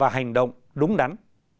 và hành động đúng đắn